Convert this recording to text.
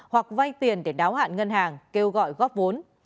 hoặc vay tiền để đáo hạn ngân hàng kêu gọi góp vốn